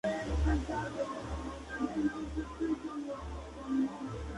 El "Estate Internazionale del Folklore" se organiza cada verano en el mes de agosto.